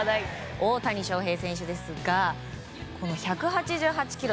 大谷翔平選手ですが１８８キロ